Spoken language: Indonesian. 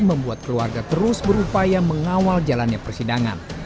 membuat keluarga terus berupaya mengawal jalannya persidangan